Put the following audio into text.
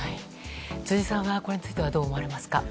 辻さんは、これについてはどう思われますか？